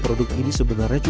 kok patah bu